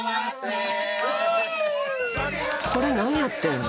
これ何やってん？